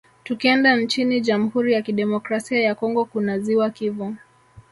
Tukienda nchini Jamhuri ya Kidemokrasia ya Congo kuna ziwa Kivu